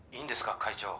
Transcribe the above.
会長。